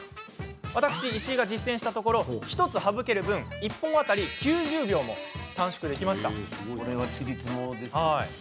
私、石井が実践したところ１つ省ける分、１本当たり９０秒も短縮できました。